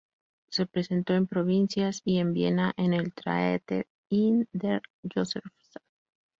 Se presentó en provincias y en Viena, en el Theater in der Josefstadt.